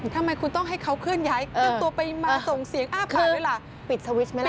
ทำไมคุณต้องให้เขาเคลื่อนย้ายเติมตัวไปมาส่งเสียงอ้าปากด้วยล่ะ